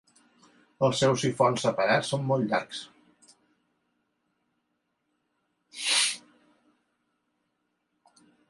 Els seus sifons separats són molt llargs.